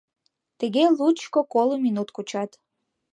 Тыге лучко-коло минут кучат.